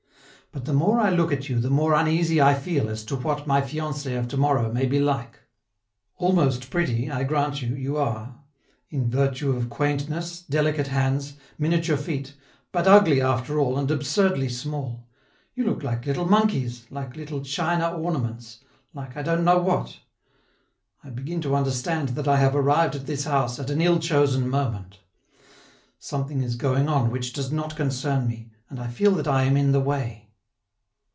But the more I look at you the more uneasy I feel as to what my fiancee of to morrow may be like. Almost pretty, I grant you, you are in virtue of quaintness, delicate hands, miniature feet, but ugly, after all, and absurdly small. You look like little monkeys, like little china ornaments, like I don't know what. I begin to understand that I have arrived at this house at an ill chosen moment. Something is going on which does not concern me, and I feel that I am in the way.